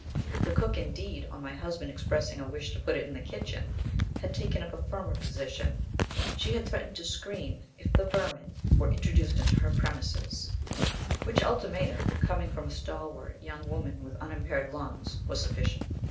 The cook, indeed, on my husband expressing a wish to put it in the kitchen, had taken up a firmer position: she had threatened to "scream" if "the vermin" were introduced into her premises; which ultimatum, coming from a stalwart young woman with unimpaired lungs, was sufficient.